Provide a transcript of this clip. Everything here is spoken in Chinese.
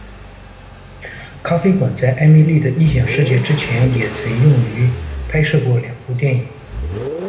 咖啡馆在艾蜜莉的异想世界之前也曾用于拍摄过两部电影。